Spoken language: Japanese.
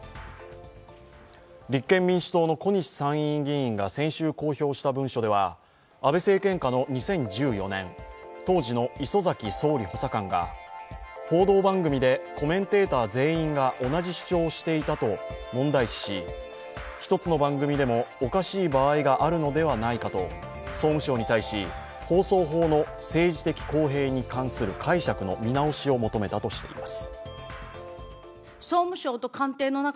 立憲民主党の小西参院議員が先週公表した文書では安倍政権下の２０１４年、当時の礒崎総理補佐官が報道番組でコメンテーター全員が同じ主張をしていたとして問題視し１つの番組でも、おかしい場合があるのではないかと総務省に対し、放送法の政治的公平に関する解釈の見直しを求めたとしています。